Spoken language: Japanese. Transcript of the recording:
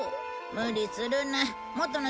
無理するな。